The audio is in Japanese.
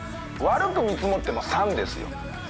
悪く見積もっても３ですよ。